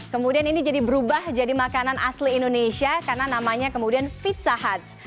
kemudian ini jadi berubah jadi makanan asli indonesia karena namanya kemudian pizza huts